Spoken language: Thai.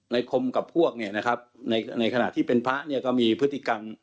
คมกับพวกเนี่ยนะครับในขณะที่เป็นพระเนี่ยก็มีพฤติกรรม